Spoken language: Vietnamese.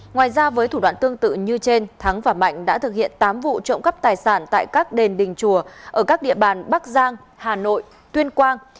ngoài ra với thủ đoạn tương tự như trên thắng và mạnh đã thực hiện tám vụ trộm cắp tài sản tại các đền đình chùa ở các địa bàn bắc giang hà nội tuyên quang